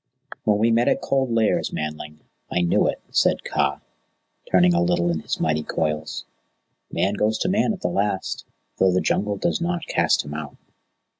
"When we met at Cold Lairs, Manling, I knew it," said Kaa, turning a little in his mighty coils. "Man goes to Man at the last, though the Jungle does not cast him out."